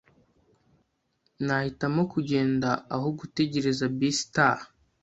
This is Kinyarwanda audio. Nahitamo kugenda aho gutegereza bisi itaha.